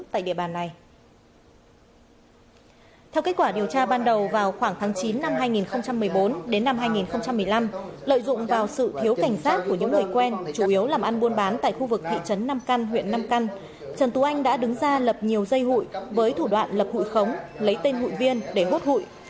trên cảnh sát của những người quen chủ yếu làm ăn buôn bán tại khu vực thị trấn nam căn huyện nam căn trần tù anh đã đứng ra lập nhiều dây hụi với thủ đoạn lập hụi khống lấy tên hụi viên để hút hụi